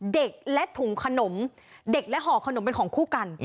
เด็กและถุงขนมเด็กและห่อขนมเป็นของคู่กัน